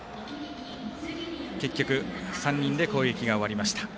結局、３人で攻撃終わりました。